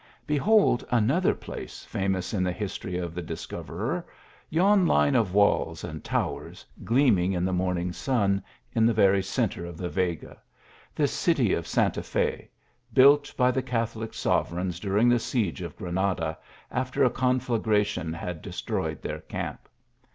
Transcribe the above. Behold another place famous in the history of the discoverer : yon line of walls and towers, gleaming in the morning sun in the very centre of the Vega ; the city of Santa Fe, built by the Catholic sovereigns during the siege of Granada, after a conflagration had destroyed their camp.